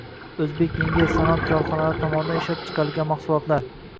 “O’zbekengilsanoat” korxonalari tomonidan ishlab chiqarilgan mahsulotlar